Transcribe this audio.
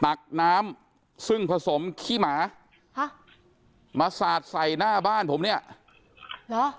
ตักน้ำซึ่งผสมขี้หมาฮะมาสาดใส่หน้าบ้านผมเนี่ยเหรอ